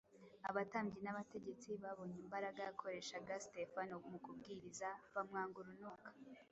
Abatambyi n’abategetsi babonye imbaraga yakoreshaga Sitefano mu kubwiriza bamwanga urunuka.